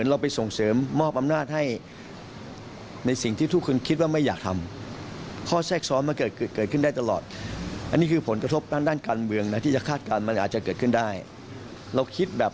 ลองฟังคุณหมอชนน่านครับ